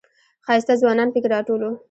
ښایسته ځوانان پکې راټول و.